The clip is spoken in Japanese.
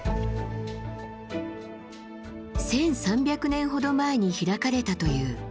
１，３００年ほど前に開かれたという修験の山。